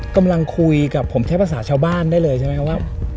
กำลังคุยกับผมใช้ภาษาชาวบ้านได้เลยใช่ไหมครับว่า